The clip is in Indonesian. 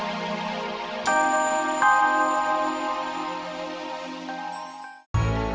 silahkan duduk di ruang tunggu